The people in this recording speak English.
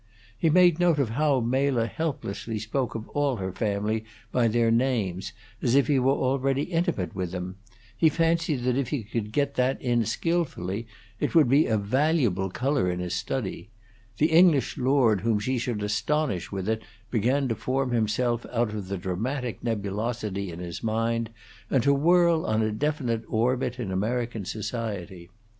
He made note of how Mela helplessly spoke of all her family by their names, as if he were already intimate with them; he fancied that if he could get that in skillfully, it would be a valuable color in his study; the English lord whom she should astonish with it began to form himself out of the dramatic nebulosity in his mind, and to whirl on a definite orbit in American society.